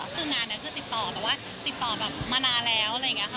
คืองานนี้คือติดต่อแต่ว่าติดต่อแบบมานานแล้วอะไรอย่างนี้ค่ะ